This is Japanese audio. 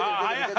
はい。